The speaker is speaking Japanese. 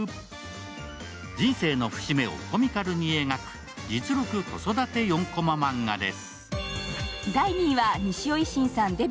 人生の節目をコミカルに描く実録子育て４コマ漫画です。